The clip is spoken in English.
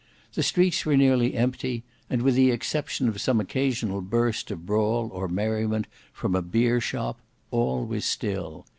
The streets were nearly empty; and with the exception of some occasional burst of brawl or merriment from a beer shop, all was still.